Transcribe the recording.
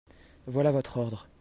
Voilà votre ordre.